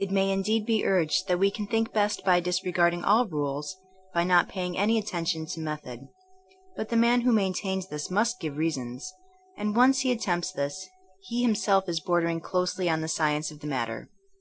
It may indeed be urged that we can think best by disregarding all rules, '* by not pay ing any attention to method. But the man who maintains this must give reasons ; and once he attempts this he himself is bordering closely on the science of the matter.